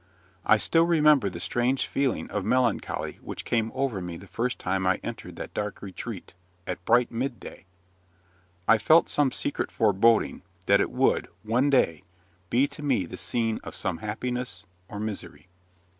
I still remember the strange feeling of melancholy which came over me the first time I entered that dark retreat, at bright midday. I felt some secret foreboding that it would, one day, be to me the scene of some happiness or misery.